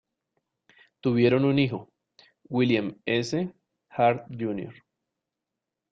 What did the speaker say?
Tuvieron un hijo, William S. Hart Jr.